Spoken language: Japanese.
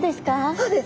そうです。